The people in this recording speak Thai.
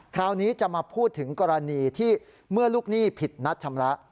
คราวนี้จะมาพูดถึงกรณีที่เมื่อลูกหนี้ผิดนัดชำระ